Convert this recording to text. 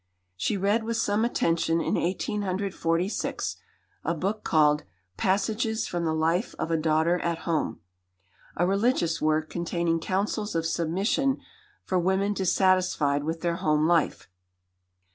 She read with some attention in 1846 a book called Passages from the Life of a Daughter at Home, a religious work containing counsels of submission for women dissatisfied with their home life.